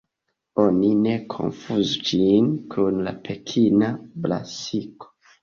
Oni ne konfuzu ĝin kun la Pekina brasiko.